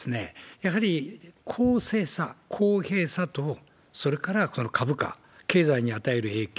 やはり公正さ、公平さと、それからこの株価、経済に与える影響。